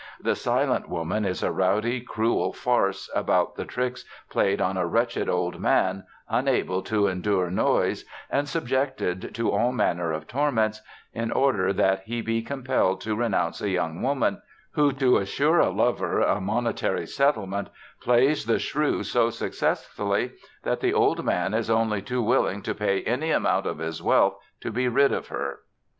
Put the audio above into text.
The Silent Woman is a rowdy, cruel farce about the tricks played on a wretched old man, unable to endure noise and subjected to all manner of torments in order that he be compelled to renounce a young woman, who to assure a lover a monetary settlement, plays the shrew so successfully that the old man is only too willing to pay any amount of his wealth to be rid of her.